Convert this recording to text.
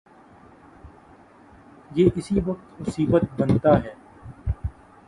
یہ اسی وقت عصبیت بنتا ہے۔